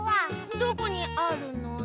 どこにあるのだ？